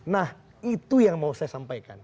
nah itu yang mau saya sampaikan